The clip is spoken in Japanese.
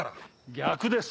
逆です！